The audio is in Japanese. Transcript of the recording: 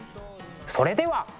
それでは。